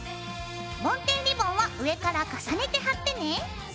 ぼんてんリボンは上から重ねて貼ってね。